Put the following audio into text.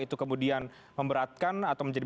itu kemudian memberatkan atau menjadi